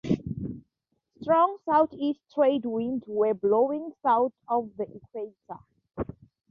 Strong southeast trade winds were blowing south of the equator.